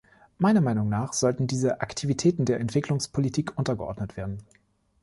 Meiner Meinung nach sollten diese Aktivitäten der Entwicklungspolitik untergeordnet werden.